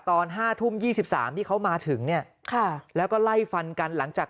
ตอน๕ทุ่ม๒๓ที่เขามาถึงเนี่ยค่ะแล้วก็ไล่ฟันกันหลังจาก